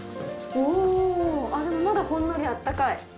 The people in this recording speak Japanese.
あっでもまだほんのりあったかい。